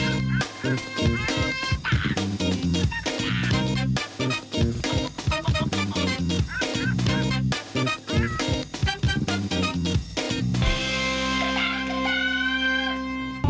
แปลกทาง